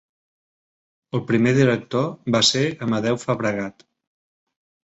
El primer director va ser Amadeu Fabregat.